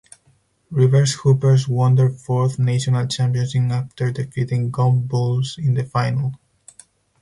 Rivers Hoopers won their fourth national championship after defeating Gombe Bulls in the final.